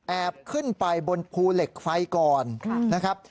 ขึ้นไปบนภูเหล็กไฟก่อนนะครับ